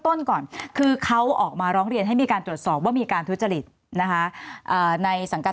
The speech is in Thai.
ก่อนคือเขาออกมาร้องเรียนให้มีการตรวจสอบว่ามีการทุจริตนะคะในสังกัด